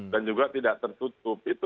dan juga tidak tertutup